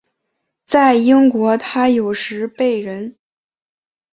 在英国他有时被人。